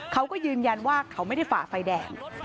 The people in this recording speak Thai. เขาก็ยืนยันว่าเขาไม่ได้ฝ่าไฟแดง